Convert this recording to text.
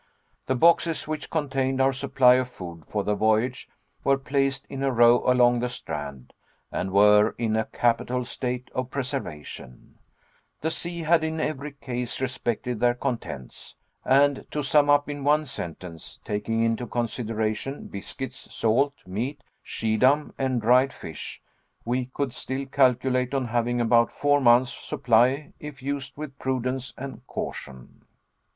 The boxes which contained our supply of food for the voyage were placed in a row along the strand, and were in a capital state of preservation; the sea had in every case respected their contents, and to sum up in one sentence, taking into consideration, biscuits, salt meat, Schiedam and dried fish, we could still calculate on having about four months' supply, if used with prudence and caution.